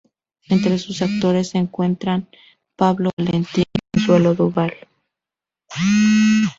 Entre sus actores se encuentra: Pablo Valentín, Consuelo Duval